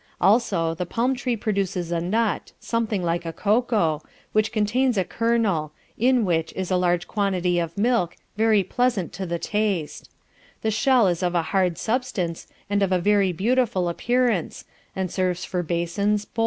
Also the palm tree produces a nut, something like a cocoa, which contains a kernel, in which is a large quantity of milk, very pleasant to the taste: the shell is of a hard substance, and of a very beautiful appearance, and serves for basons, bowls, &c.